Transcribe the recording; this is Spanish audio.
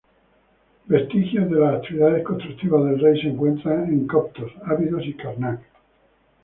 Vestigios de las actividades constructivas del rey se encuentran en Coptos, Abidos y Karnak.